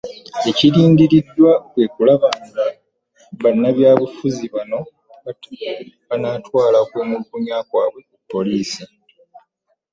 Ekirindiriddwa kwe kulaba oba bannabyabufuzi bano banaatwala okuwabulwa kwa poliisi